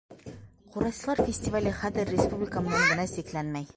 Ҡурайсылар фестивале хәҙер республика менән генә сикләнмәй.